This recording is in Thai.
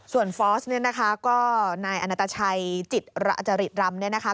ส่วนฟอร์สนี่นะคะก็นายอาณาตาชัยจิตระจริตรำนี่นะคะ